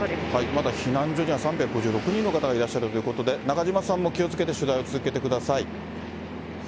まだ避難所には３５６人の方がいらっしゃるということで、中島さんも気をつけて取材を続けてください。